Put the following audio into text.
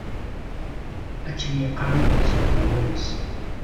Akken yeqqar umedyaz deg wawal-is.